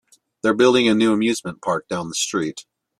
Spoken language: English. They're building a new amusement park down the street.